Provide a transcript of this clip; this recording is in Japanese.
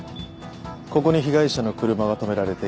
ここに被害者の車が止められていた。